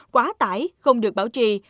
quá tải không được bảo trì